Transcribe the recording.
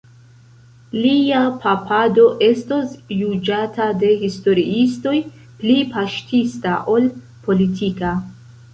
Lia papado estos juĝata de historiistoj pli paŝtista ol politika.